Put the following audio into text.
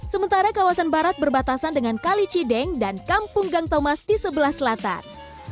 sementara kawasan barat berbatasan dengan kali cideng dan kampung gang thomas di sebelah selatan